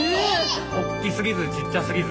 おっきすぎずちっちゃすぎず。